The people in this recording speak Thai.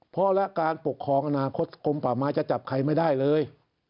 เพราะและการปกครองอนาคตกลมป่าไม้จะจับใครไม่ได้เลย